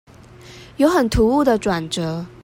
有很突兀的轉折